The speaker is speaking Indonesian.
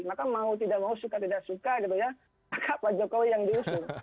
maka mau tidak mau suka tidak suka gitu ya pak jokowi yang diusung